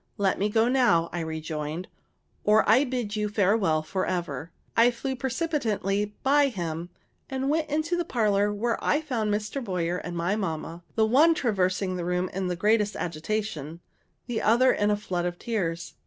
"Let me go now," I rejoined, "or I bid you farewell forever." I flew precipitately by him, and went into the parlor, where I found Mr. Boyer and my mamma, the one traversing the room in the greatest agitation, the other in a flood of tears.